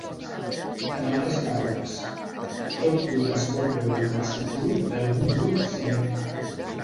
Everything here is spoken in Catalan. En altres paraules, tot grup es pot veure com a subgrup d'algun grup simètric.